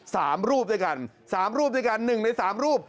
สามรูปด้วยกันสามรูปด้วยกันหนึ่งในสามรูป